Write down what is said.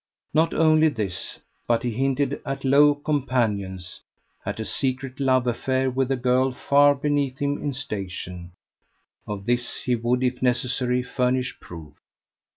Not only this, but he hinted at low companions at a secret love affair with a girl far beneath him in station of this he would, if necessary, furnish proof.